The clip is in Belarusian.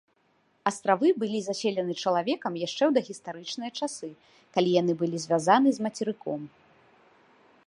Астравы былі заселены чалавекам яшчэ ў дагістарычныя часы, калі яны былі звязаны з мацерыком.